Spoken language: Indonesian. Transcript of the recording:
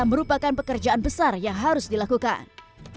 merupakan pekerjaan besar yang harus dilakukan